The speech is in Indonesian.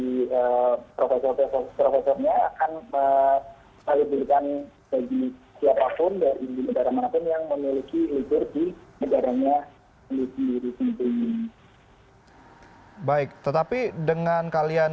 bagi siapapun dari negara negara pun yang memiliki hukum di negaranya lebih baik tetapi dengan kalian